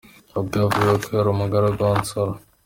Ubwo yavugaga ko yari umugaragu wa Nsoro.